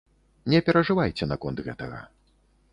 Не перажывайце наконт гэтага.